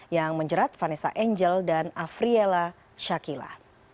yang menjerat vanessa angel dan afriela shakila